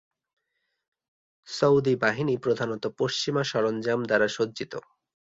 Saudi বাহিনী প্রধানত পশ্চিমা সরঞ্জাম দ্বারা সজ্জিত।